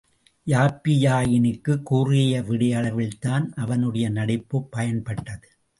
யாப்பியாயினிக்குக் கூறிய விடையளவில் தான் அவனுடைய நடிப்புப் பயன்பட்டது.